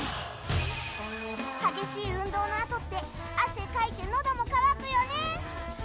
激しい運動のあとって汗かいて、のども乾くよね。